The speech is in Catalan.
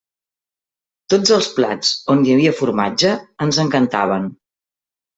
Tots els plats on hi havia formatge ens encantaven.